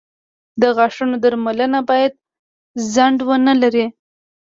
• د غاښونو درملنه باید ځنډ ونه لري.